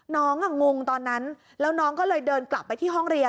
งงตอนนั้นแล้วน้องก็เลยเดินกลับไปที่ห้องเรียน